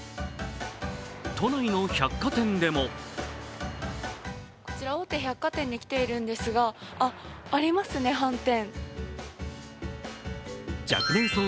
都内の百貨店でもこちら大手百貨店に来ているんですが、あ、ありますね、はんてん。